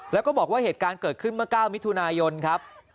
แล้วก็บอกว่าเหตุการณ์เกิดขึ้นเมื่อ๙มิถุนายนครับ